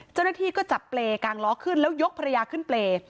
เจ้าหน้าที่ก็จับเปรย์กลางล้อขึ้นแล้วยกภรรยาขึ้นเปรย์